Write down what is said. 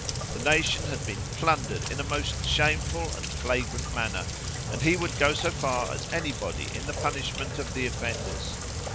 The nation had been plundered in a most shameful and flagrant manner, and he would go as far as any body in the punishment of the offenders.